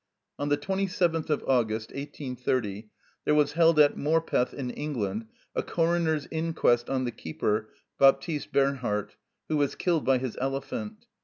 On the 27th of August 1830 there was held at Morpeth, in England, a coroner's inquest on the keeper, Baptist Bernhard, who was killed by his elephant.